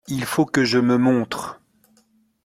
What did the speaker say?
Il faut que je me montre.